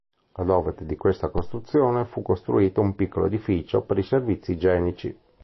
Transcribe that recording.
Ad ovest di questa costruzione fu costruito un piccolo edificio per i servizi igienici.